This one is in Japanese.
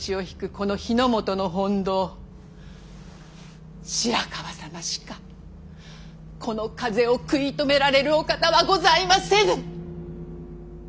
この日の本の本道白河様しかこの風を食い止められるお方はございませぬ！